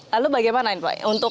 lalu bagaimana ini pak